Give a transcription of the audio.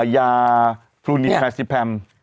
ยาฟรูนิฟาซิแพม